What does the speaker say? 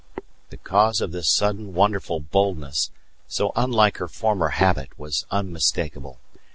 The cause of this sudden wonderful boldness, so unlike her former habit, was unmistakable.